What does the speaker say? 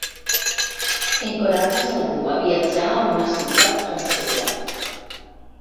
Encoratges algú a viatjar a una ciutat francesa.